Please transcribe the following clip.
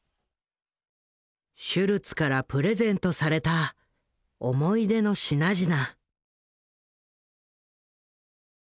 シュルツからプレゼントされた思い出の品々。